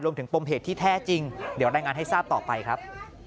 ปมเหตุที่แท้จริงเดี๋ยวรายงานให้ทราบต่อไปครับ